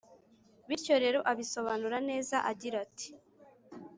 bityo rero abisobanura neza agira ati